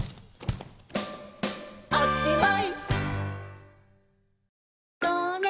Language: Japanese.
「おしまい！」